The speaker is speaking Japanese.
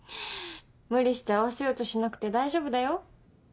無理して合わせようとしなくて大丈夫だよ。